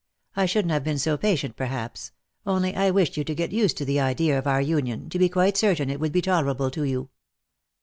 I shouldn't have been so patient perhaps, only I wished you to get used to the idea of our union, to be quite certain it would be tolerable to you.